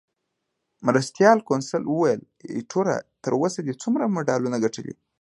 مرستیال کونسل وویل: ایټوره، تر اوسه دې څومره مډالونه ګټلي؟